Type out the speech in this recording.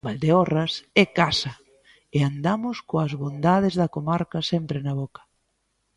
Valdeorras é casa e andamos coas bondades da comarca sempre na boca.